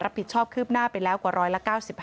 รับผิดชอบคืบหน้าไปแล้วกว่าร้อยละ๙๕